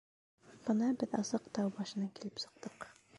Бына беҙ асыҡ тау башына килеп сыҡтыҡ.